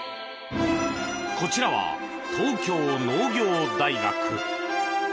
こちらは東京農業大学。